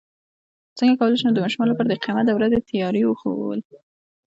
څنګه کولی شم د ماشومانو لپاره د قیامت د ورځې تیاري ښوول